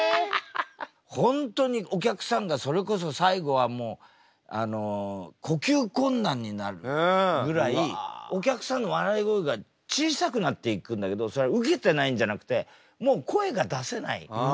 本当にお客さんがそれこそ最後はもう呼吸困難になるぐらいお客さんの笑い声が小さくなっていくんだけどそれはウケてないんじゃなくてもう声が出せない。